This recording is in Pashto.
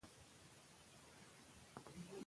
د اقتصادي ودې راتلونکی د ځوانانو په لاس کي دی.